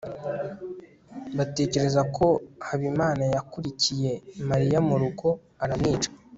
batekereza ko habimana yakurikiye mariya murugo aramwica